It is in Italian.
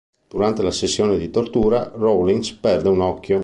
Durante la sessione di tortura, Rawlins perde un occhio.